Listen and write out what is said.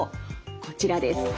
こちらです。